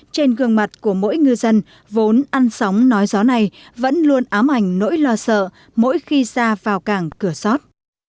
trên gương mặt của mỗi ngư dân vốn ăn sóng nói gió này vẫn luôn ám ảnh nỗi lo sợ mỗi khi ra vào cảng cửa sót